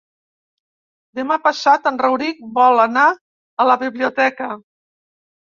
Demà passat en Rauric vol anar a la biblioteca.